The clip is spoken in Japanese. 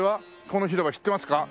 この広場知ってますか？